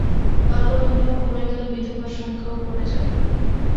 বাল্য বিবাহ কমে গেলে বিধবার সংখ্যাও কমে যাবে।